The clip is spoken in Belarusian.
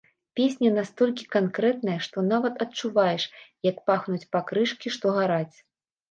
Песня настолькі канкрэтная, што нават адчуваеш, як пахнуць пакрышкі, што гараць.